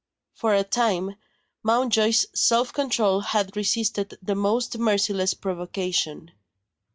For a time, Mountjoy's self control had resisted the most merciless provocation.